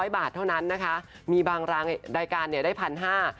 ๕๐๐บาทเท่านั้นนะคะมีบางรายการได้๑๕๐๐บาท